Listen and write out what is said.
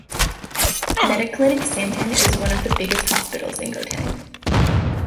Mediclinic Sandton is one of the biggest hospitals in Gauteng.